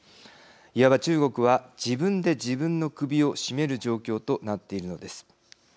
いわば、中国は自分で自分の首を絞める状況となっているのです。